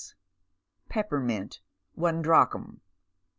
Peppermint, 1 drachm.